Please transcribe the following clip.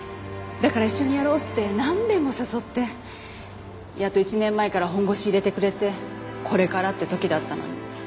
だから一緒にやろうってなんべんも誘ってやっと１年前から本腰入れてくれてこれからって時だったのに。